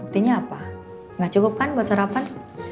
berarti ini apa gak cukup kan buat sarapan